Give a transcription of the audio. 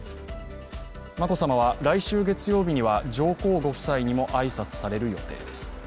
眞子さまは来週月曜日には上皇ご夫妻にも挨拶される予定です。